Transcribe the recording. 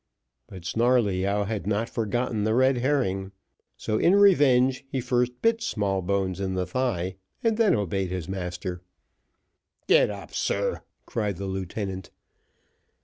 But Snarleyyow had not forgotten the red herring; so in revenge, he first bit Smallbones in the thigh, and then obeyed his master. "Get up, sir," cried the lieutenant.